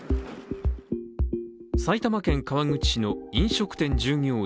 埼玉県川口市の飲食店従業員